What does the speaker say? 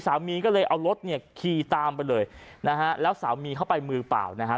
สามีก็เลยเอารถเนี่ยขี่ตามไปเลยนะฮะแล้วสามีเข้าไปมือเปล่านะฮะ